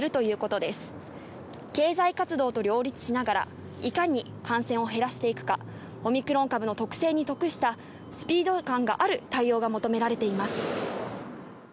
経済活動と両立しながら、いかに感染を減らしていくか、オミクロン株の特徴に即したスピード感のある対応が求められています。